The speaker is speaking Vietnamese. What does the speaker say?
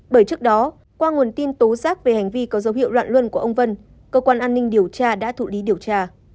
bởi trước đó qua nguồn tin tố giác về hành vi có dấu hiệu loạn luân của ông vân cơ quan an ninh điều tra đã thụ lý điều tra